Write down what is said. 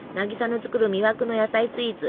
渚の作る魅惑の野菜スイーツ